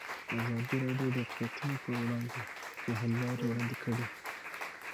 ازادي راډیو د اقلیتونه پر وړاندې د حل لارې وړاندې کړي.